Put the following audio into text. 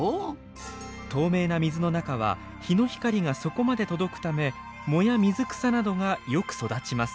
透明な水の中は日の光が底まで届くため藻や水草などがよく育ちます。